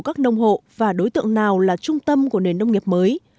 các nông hộ và đối tượng nào là trung tâm của nền nông nghiệp mới